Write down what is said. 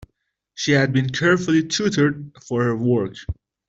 She had been carefully tutored for her work.